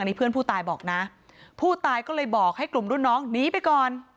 นี่เพื่อนผู้ตายบอกนะผู้ตายก็เลยบอกให้กลุ่มรุ่นน้องหนีไปก่อน